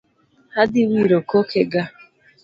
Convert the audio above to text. Adhi wiro kokega